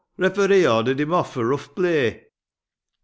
Referee ordered him off for rough play."